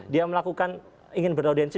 dia melakukan ingin beraudiensi